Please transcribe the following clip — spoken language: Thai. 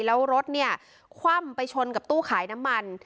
แล้วรถเนี่ยคว่ำไปชนกับตู้ขายน้ำมัน